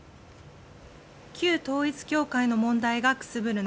旧統一教会の問題がくすぶる